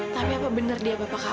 tapi apa benar dia bapak kabur